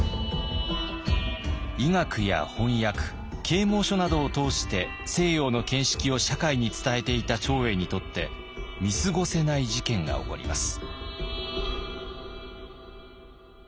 医学や翻訳啓もう書などを通して西洋の見識を社会に伝えていた長英にとって見過ごせない事件が起こります。